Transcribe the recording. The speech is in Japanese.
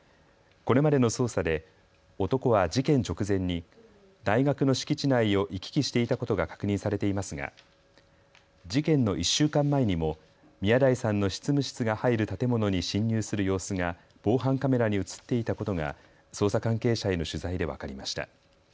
これまでの捜査で男は事件直前に大学の敷地内を行き来していたことが確認されていますが事件の１週間前にも宮台さんの執務室が入る建物に侵入する様子が防犯カメラに写っていたことが捜査関係者への取材で分かりました。